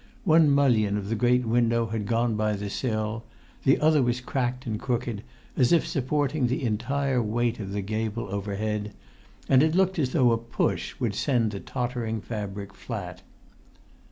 One mullion of the great window had gone by the sill; the other was cracked and crooked, as if supporting the entire weight of the gable overhead; and it looked as though a push would send the tottering fabric flat.